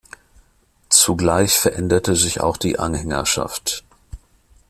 Zugleich veränderte sich auch die Anhängerschaft.